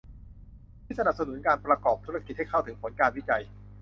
ที่สนับสนุนการประกอบธุรกิจให้เข้าถึงผลการวิจัย